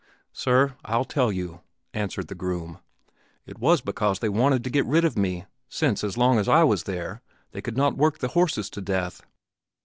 "Sir, I'll tell you," answered the groom, "it was because they wanted to get rid of me, since, as long as I was there, they could not work the horses to death.